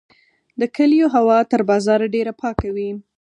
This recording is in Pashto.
د کلیو هوا تر بازار ډیره پاکه وي.